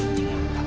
ini enak enak